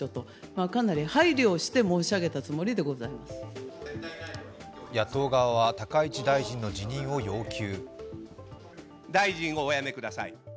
昨日も野党側は高市大臣の辞任を要求。